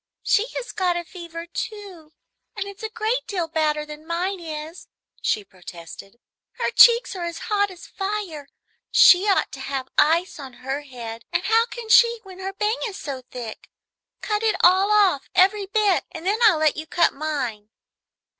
"She has got a fever, too, and it's a great deal badder than mine is," she protested. "Her cheeks are as hot as fire. She ought to have ice on her head, and how can she when her bang is so thick? Cut it all off, every bit, and then I will let you cut mine."